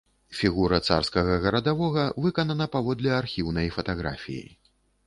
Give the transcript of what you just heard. Фігура царскага гарадавога выканана паводле архіўнай фатаграфіі.